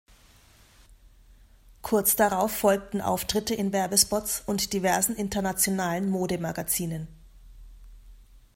Kurz darauf folgten Auftritte in Werbespots und diversen internationalen Mode-Magazinen.